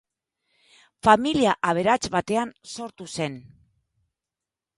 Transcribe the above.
Familia aberats batean sortu zen.